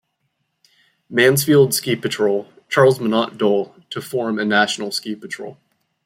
Mansfield Ski Patrol, Charles Minot Dole, to form a national ski patrol.